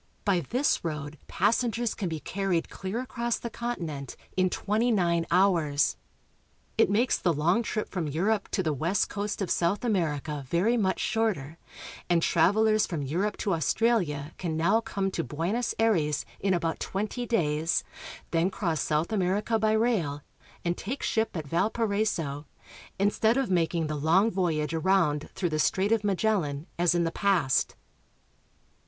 By this road passengers can be carried clear across the continent in twenty nine hours. It makes the long trip from Europe to the west coast of South America very much shorter, and travel ers from Europe to Australia can now come to Buenos Aires in about twenty days, then cross South America by rail, and take ship at Valparaiso, instead of making the long voyage around through the Strait of Magellan, as in the past.